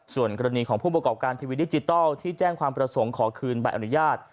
ส่วนกรณีของผู้ประกอบการทีวีดิจิทัลที่แจ้งความประสงค์ขอคืนใบอนุญาต